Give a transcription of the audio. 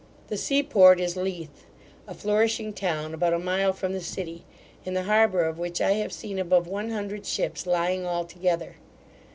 The sea port is Leith, a flourishing town, about a mile from the city, in the harbour of which I have seen above one hundred ships lying all together.